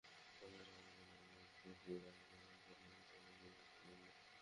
তোমরা সকলে মিলে আমার বিরুদ্ধে ষড়যন্ত্র পাকাও এবং আমাকে মোটেই অবকাশ দিও না।